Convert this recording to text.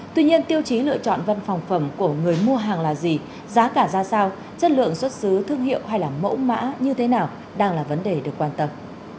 tuy nhiên tiêu chí lựa chọn văn phòng phẩm của người mua hàng là gì giá cả ra sao chất lượng xuất xứ thương hiệu hay mẫu mã như thế nào đang là vấn đề được quan tâm